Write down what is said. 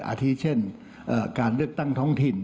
อาทิตเช่นการเลือกตั้งท้องถิ่น